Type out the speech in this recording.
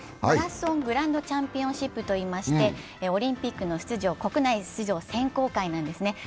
マラソン・グランド・チャンピオンシップといいまして、オリンピックの国内出場選考会なんですね。